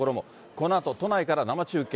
このあと都内から生中継。